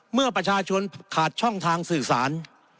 เมื่อประชาชนขาดช่องทางสื่อสาร